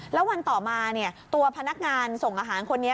แล้ววันต่อมาตัวพนักงานส่งอาหารคนนี้